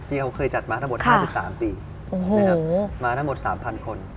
ที่เขาเคยจัดมาทั้งหมด๕๓ปีนะครับมาทั้งหมด๓๐๐คน